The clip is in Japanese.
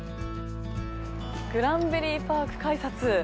グランベリーパーク改札。